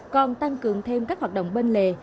còn tăng cường thêm các hoạt động bên lề